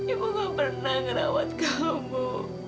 ibu kau pernah ngerawat kamu